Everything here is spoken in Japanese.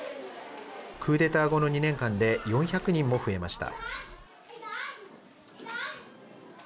クーデター後の２年間で４００人も増えました。